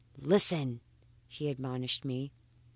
"Listen!" he admonished me.